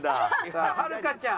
さあはるかちゃん。